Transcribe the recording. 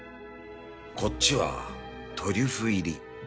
こっちはトリュフ入り